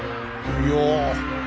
いや！